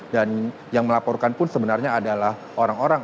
dan yang melaporkan pun sebenarnya adalah orang orang